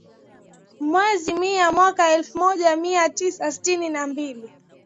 Mwezi Mei mwaka elfu moja mia tisa sitini na mbili